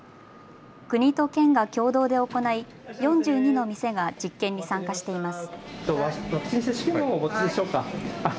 国と県が共同で行い４２の店が実験に参加しています。